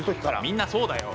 みんなそうだよ。